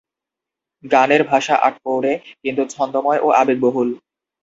গানের ভাষা আটপৌরে, কিন্তু ছন্দোময় ও আবেগবহুল।